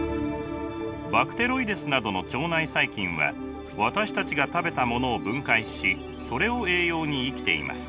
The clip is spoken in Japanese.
バクテロイデスなどの腸内細菌は私たちが食べたものを分解しそれを栄養に生きています。